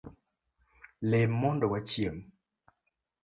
Lem mondo wachiem